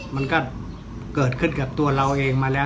มันก็เกิดขึ้นกับตัวเราเองมาแล้ว